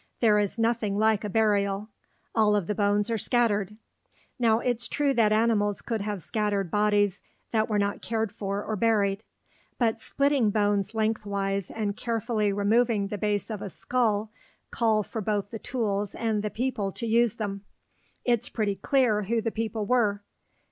There is nothing like a burial; all of the bones are scattered. Now it's true that animals could have scattered bodies that were not cared for or buried. But splitting bones lengthwise and carefully removing the base of a skull call for both the tools and the people to use them. It's pretty clear who the people were.